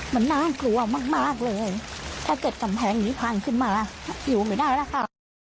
มันน่ากลัวมากเลยถ้าเกิดกำแพงนี้พังขึ้นมาหิวไม่ได้แล้วค่ะ